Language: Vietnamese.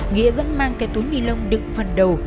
nghĩa vẫn mang cái túi nilon đựng phần đầu